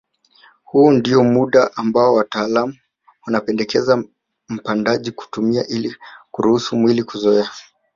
Huo ndio muda ambao wataalam wanapendekeza mpandaji kuutumia ili kuruhusu mwili kuzoea